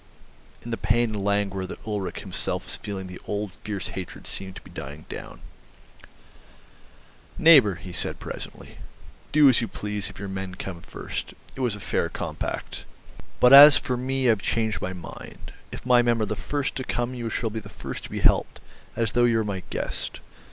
In the pain and languor that Ulrich himself was feeling the old fierce hatred seemed to be dying down. "Neighbour," he said presently, "do as you please if your men come first. It was a fair compact. But as for me, I've changed my mind. If my men are the first to come you shall be the first to be helped, as though you were my guest.